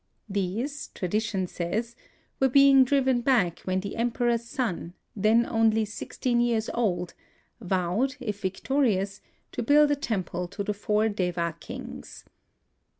These, tradition says, were being driven back when the Emperor's son — then only sixteen years old — vowed if victorious to build a temple to the Four Deva Kings.